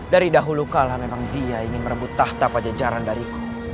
dari dahulu kala memang dia ingin merebut tahta pajajaran dariku